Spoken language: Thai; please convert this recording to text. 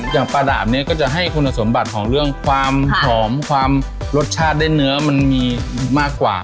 อย่างปลาดาบนี้ก็จะให้คุณสมบัติของเรื่องความหอมความรสชาติได้เนื้อมันมีมากกว่า